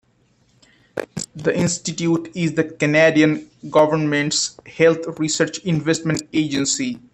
The institute is the Canadian government's health research investment agency.